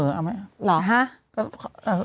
หรอฮะ